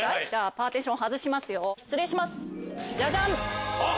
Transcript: パーティション外しますよ失礼しますジャジャン！